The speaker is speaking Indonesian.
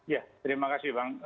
ya terima kasih bang